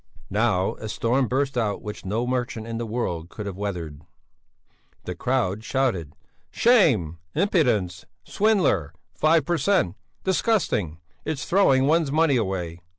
Now a storm burst out which no merchant in the world could have weathered. "Shame! Impudence! Swindler! Five per cent! Disgusting! It's throwing one's money away!"